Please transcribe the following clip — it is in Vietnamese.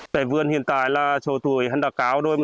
tại vườn hiện tại là số tuổi hành đạc cao đôi